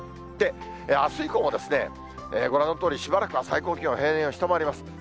で、あす以降もご覧のとおり、しばらくは最高気温、平年を下回ります。